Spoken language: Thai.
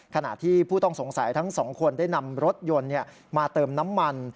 ขณะที่ผู้ต้องสงสัยทั้งสองคนได้นำรถยนต์มาเติมน้ำมัน